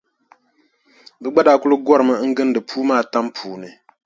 Bɛ gba daa kuli gɔrimi n-gindi puu maa tam puuni.